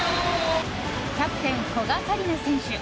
キャプテン、古賀紗理那選手。